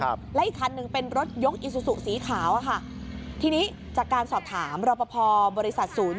และอีกคันหนึ่งเป็นรถยกอีซูซูสีขาวอ่ะค่ะทีนี้จากการสอบถามรอปภบริษัทศูนย์